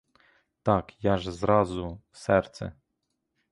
Так я ж зразу, серце.